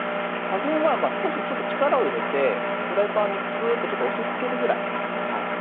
加減はまあ少しちょっと力を入れてフライパンにグーッとちょっと押しつけるぐらいはい。